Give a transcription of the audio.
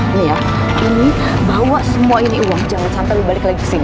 nih ya ini bawa semua ini uang jangan sampai lo balik lagi kesini